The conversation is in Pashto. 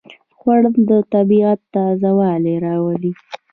خوړل د طبیعت تازهوالی راولي